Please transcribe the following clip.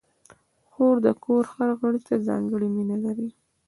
خور د کور هر غړي ته ځانګړې مینه لري.